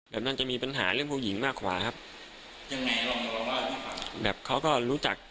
แบบนั้นจะมีปัญหาเรื่องผู้หญิงมากกว่าครับยังไงบ้างแบบเขาก็รู้จัก